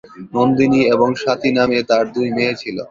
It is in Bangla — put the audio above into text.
নন্দিনী এবং স্বাতী নামে তার দুই মেয়ে ছিল।